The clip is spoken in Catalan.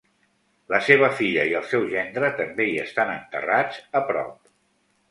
La seva filla i el seu gendre també hi estan enterrats a prop.